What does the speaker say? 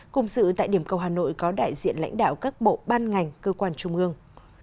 cùng dự tại điểm cầu hà nội có đại diện lãnh đạo các bộ ban ngành cơ quan trung ương